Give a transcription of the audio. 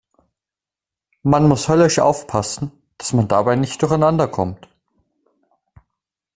Man muss höllisch aufpassen, dass man dabei nicht durcheinander kommt.